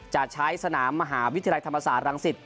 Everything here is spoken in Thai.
จะใช้สนามมหาวิทยาลัยธรรมศาสตรังสิต